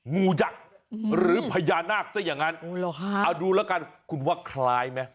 งูยักษ์หรือพญานาคซะอย่างนั้นเอาดูแล้วกันคุณว่าคล้ายไหม